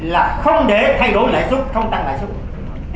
là không để thay đổi lãi suất không tăng lãi suất